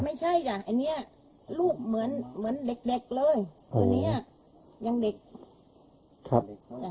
สวัสดีครับ